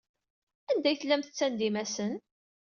Anda ay tellam tettandim-asen?